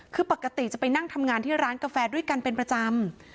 คือปกติจะไปนั่งทำงานที่ร้านกาแฟด้วยกันเป็นประจำ